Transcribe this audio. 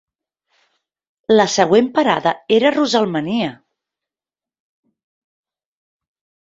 La següent parada era Russellmania!